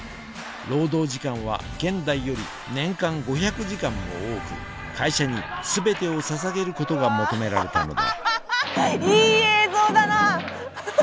労働時間は現代より年間５００時間も多く会社に全てをささげることが求められたのだいい映像だなあ！